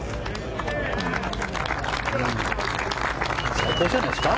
最高じゃないですか。